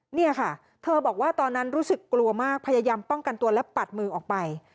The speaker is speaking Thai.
เนี่ยค่ะเธอบอกว่าตอนนั้นรู้สึกกลัวมากพยายามป้องกันตัวและปัดมือออกไป